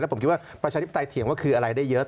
ผมคิดว่าประชาธิปไตยเถียงว่าคืออะไรได้เยอะ